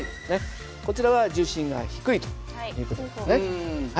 こちらは重心が低いという事ですね。